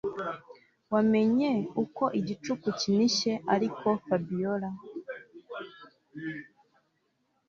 wamenye uko igicuku kinishye ariko Fabiora